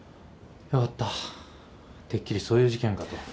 良かったてっきりそういう事件かと。